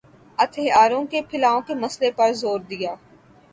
ہتھیاروں کے پھیلاؤ کے مسئلے پر زور دیا